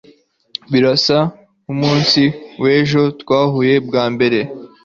birasa nkumunsi wejo twahuye bwa mbere